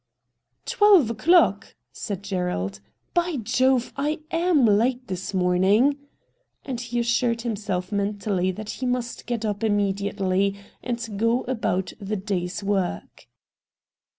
' Twelve o'clock !' said Gerald. ' By Jove, I am late this morning !' and he assured himself mentally that he must get up imme THE POCKET BOOK i6i diately and go about the day's work.